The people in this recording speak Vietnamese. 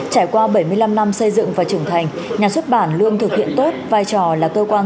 trải qua bảy mươi năm năm xây dựng và trưởng thành nhà xuất bản luôn thực hiện tốt vai trò là cơ quan